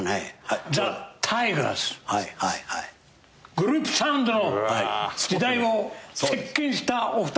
グループ・サウンドの時代を席巻したお二方でございます。